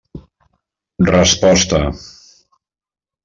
Resposta.